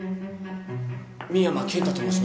深山健太と申します。